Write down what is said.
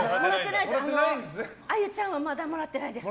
あゆちゃんはまだもらってないです。